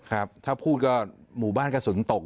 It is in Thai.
ครับถ้าพูดก็หมู่บ้านกระสุนตก